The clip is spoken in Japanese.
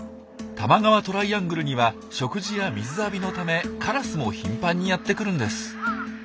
多摩川トライアングルには食事や水浴びのためカラスも頻繁にやって来るんです。